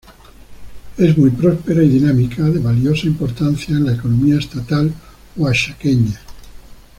Es muy próspera y dinámica, de valiosa importancia en la economía Estatal Oaxaqueña.